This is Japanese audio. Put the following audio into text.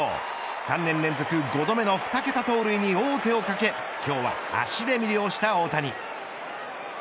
３年連続５度目の２桁盗塁に王手をかけ今日は足で魅了した大谷。